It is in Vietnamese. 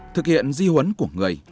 thực hiện di huấn của người